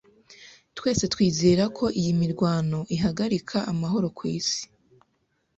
Twese twizera ko iyi mirwano ihagarika amahoro ku isi